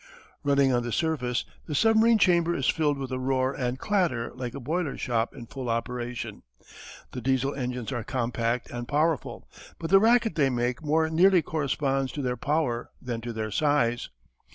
Running on the surface the submarine chamber is filled with a roar and clatter like a boiler shop in full operation. The Diesel engines are compact and powerful, but the racket they make more nearly corresponds to their power than to their size.